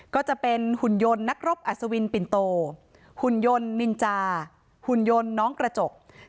ก็จะเป็นหุ่นยนต์นักรบอัศวินปิ่นโตหุ่นยนต์นินจาหุ่นยนต์น้องกระจก